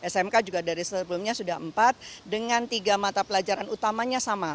smk juga dari sebelumnya sudah empat dengan tiga mata pelajaran utamanya sama